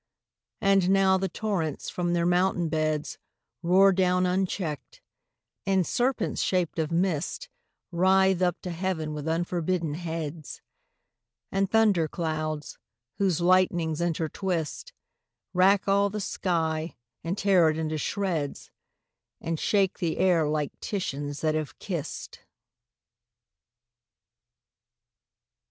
And now the torrents from their mountain beds Roar down uncheck'd; and serpents shaped of mist Writhe up to Heaven with unforbidden heads; And thunder clouds, whose lightnings intertwist, Rack all the sky, and tear it into shreds, And shake the air like Titians that have kiss'd!